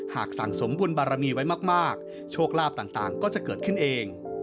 สั่งสมบุญบารมีไว้มากโชคลาภต่างก็จะเกิดขึ้นเอง